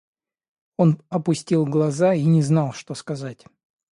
Он опустил глаза и не знал, что сказать.